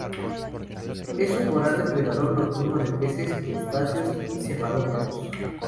Es un voraz depredador nocturno de peces, crustáceos y cefalópodos.